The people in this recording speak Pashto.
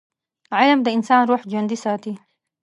علم د انسان روح ژوندي ساتي.